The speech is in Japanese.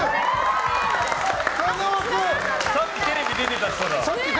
さっきテレビ出てた人だ。